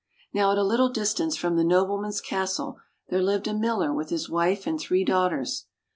Now at a little distance from the noble man's castle, there lived a miller with his wife and three daughters.